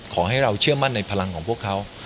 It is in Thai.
ขอให้เราเชื่อมั่นในพลังของพวกเขา